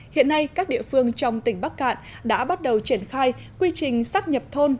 hiện nay các địa phương trong tỉnh bắc cạn đã bắt đầu triển khai quy trình xác nhập thôn